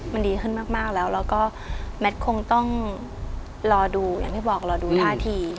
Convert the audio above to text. มันดีขึ้นมากแล้วแล้วก็แมทคงต้องรอดูอย่างที่บอกรอดูท่าที